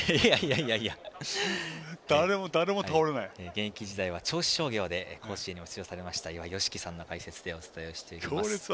現役時代は銚子商業で甲子園にも出場された岩井美樹さんの解説でお伝えしています。